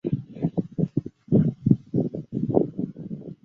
史书没有记载之后武康公主生卒的信息。